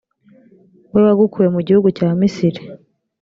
we wagukuye mu gihugu cya misiri.